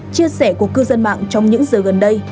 chia sẻ của cư dân mạng trong những giờ gần đây